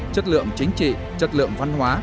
chất lượng chính trị chất lượng văn hóa